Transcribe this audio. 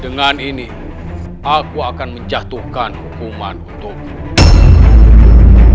dengan ini aku akan menjatuhkan hukuman untukmu